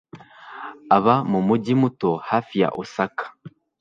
Aba mu mujyi muto hafi ya Osaka.